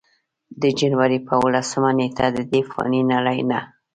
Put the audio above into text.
د جنورۍ پۀ اولسمه نېټه ددې فانې نړۍ نه